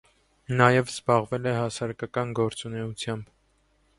Նաև զբաղվել է հասարակական գործունեությամբ։